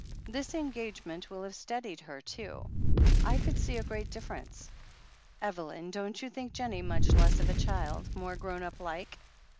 This en gagement will have steadied her, too. I could see a great difference. Evelyn, didn't you think Jennie much less of a child — ^more grown up, like?"